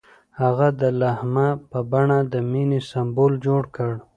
هغه د لمحه په بڼه د مینې سمبول جوړ کړ.